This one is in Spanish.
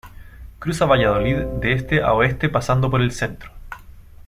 Cruza Valladolid de este a oeste pasando por el centro.